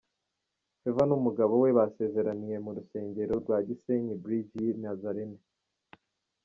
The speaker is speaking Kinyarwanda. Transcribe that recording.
Favor n’umugabo we basezeraniye mu rusengero rwa Gisenyi Bridge y’i Nazarene.